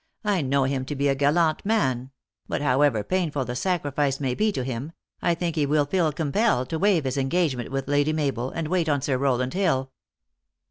" I know him to be a gallant man ; but however painful the sacrifice may be to him, 1 think he will feel compelled to waive his en gagement with Lady Mabel, and wait on Sir Rowland Hill."